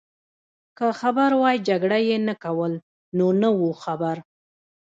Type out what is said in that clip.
که خبر وای جګړه يې نه کول، نو نه وو خبر.